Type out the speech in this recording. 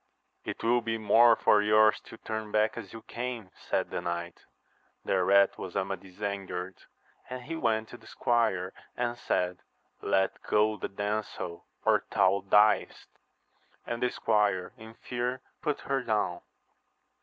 It will be more for yours to turn back as you came, said the knight. — Thereat was Amadis angered : and he went to the squire and said, Let go the damsel, or thou diest ! and the squire in fear put her down.